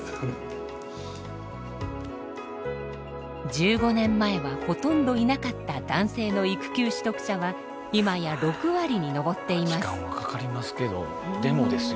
１５年前はほとんどいなかった男性の育休取得者は今や６割に上っています。